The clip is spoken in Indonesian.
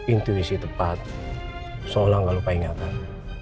intuisi tepat seolah nggak lupa ingatan